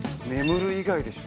眠る以外でしょ？